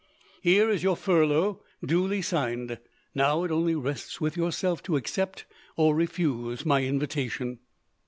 Here is your furlough, duly signed. Now it only rests with yourself, to accept or refuse my invitation."